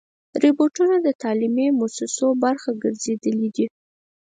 روبوټونه د تعلیمي مؤسسو برخه ګرځېدلي دي.